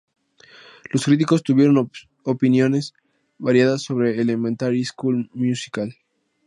Los críticos tuvieron opiniones variadas sobre "Elementary School Musical".